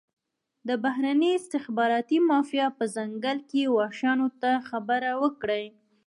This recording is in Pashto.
د بهرني استخباراتي مافیا په ځنګل کې وحشیانو ته خبره وکړي.